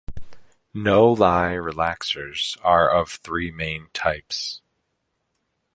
"No-lye" relaxers are of three main types.